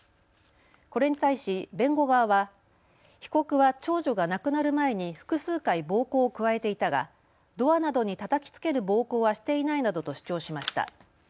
これに対し弁護側は被告は長女が亡くなる前に複数回暴行を加えていたがドアなどにたたきつける暴行はしていないなどと主張しました。